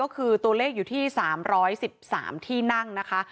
ก็คือตัวเลขอยู่ที่๓๑๓ที่นั่งนะคะ